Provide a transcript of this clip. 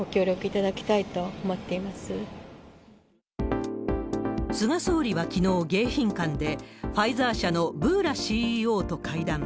ただ菅総理はきのう、迎賓館で、ファイザー社のブーラＣＥＯと会談。